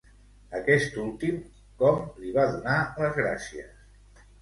Aquest últim, com li va donar les gràcies?